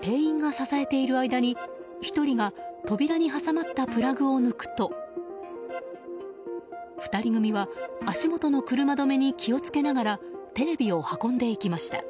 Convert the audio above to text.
店員が支えている間に１人が扉に挟まったプラグを抜くと２人組は足元の車止めに気を付けながらテレビを運んでいきました。